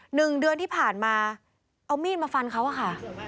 หนึ่งเดือนที่ผ่านมาเอามีดมาฟันเขาอะค่ะ